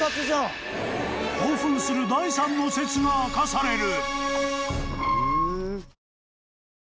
［興奮する第３の説が明かされる］